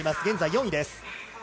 現在４位です。